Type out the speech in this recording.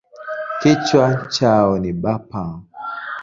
Kichwa chao ni bapa.